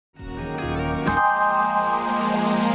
tapi ilmu diri ingin saya gunakan